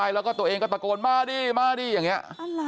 แล้วก็ตัวเองก็ตะโกนมาดีอย่างเนี่ยอะไรอ่ะ